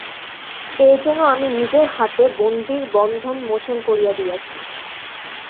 এ যেন আমি নিজের হাতে বন্দীর বন্ধন মোচন করিয়া দিয়াছি।